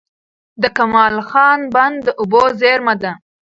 د کمال خان بند د اوبو زېرمه ده.